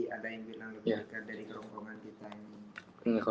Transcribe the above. ada yang bilang lebih dekat dari kerongkongan kita ini